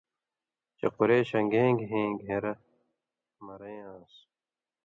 چےۡ قُریشواں گھېں گھېں گھېن٘رہ مرَیں یاں آن٘س